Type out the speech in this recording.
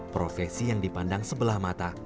profesi yang dipandang sebelah mata